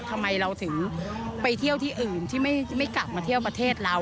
ทำไมเราถึงไปเที่ยวที่อื่นที่ไม่กลับมาเที่ยวประเทศเรา